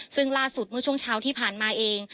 ซึ่งล่าสุดเมื่อช่วงเช้าที่ผ่านมาเอง